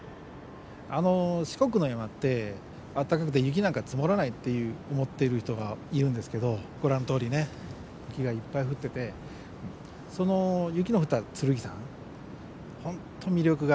あの四国の山って暖かくて雪なんか積もらないって思ってる人がいるんですけどご覧のとおりね雪がいっぱい降っててその雪の降った剣山本当魅力がいっぱい。